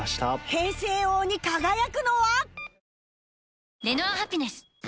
平成王に輝くのは！？